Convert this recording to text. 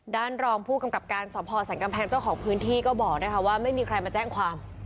รองผู้กำกับการสอบพอสรรกำแพงเจ้าของพื้นที่ก็บอกนะคะว่าไม่มีใครมาแจ้งความ